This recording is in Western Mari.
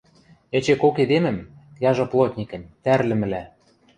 Эче кок эдемӹм, яжо плотникӹм, тӓрлӹмӹлӓ...